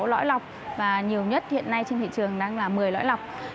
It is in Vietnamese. lõi lọc và nhiều nhất hiện nay trên thị trường đang là một mươi lõi lọc